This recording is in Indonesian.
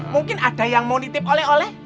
mungkin ada yang mau nitip oleh oleh